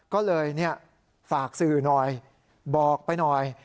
ก็เลยฝากสื่อหน่อยบอกไปหน่อย